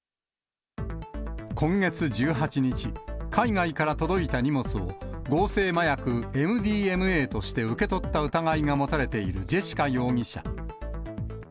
今月１８日、海外から届いた荷物を合成麻薬ＭＤＭＡとして受け取った疑いが持たれているジェシカ容疑者。